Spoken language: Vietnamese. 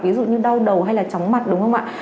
ví dụ như đau đầu hay là chóng mặt đúng không ạ